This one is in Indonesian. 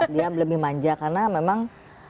dia lebih manja karena memang